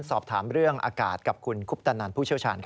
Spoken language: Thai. สอบถามเรื่องอากาศกับคุณคุบตะนัลพูชว์ชาญ